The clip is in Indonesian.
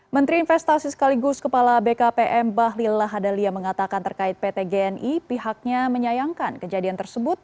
menteri investasi sekaligus kepala bkpm bahlil lahadalia mengatakan terkait pt gni pihaknya menyayangkan kejadian tersebut